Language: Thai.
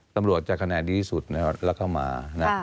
ตำรวจจะคะแนนดีที่สุดแล้วก็มา